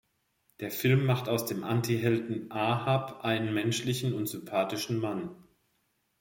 Der Film macht aus dem Antihelden Ahab einen menschlichen und sympathischen Mann.